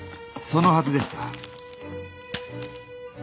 そのはずでした。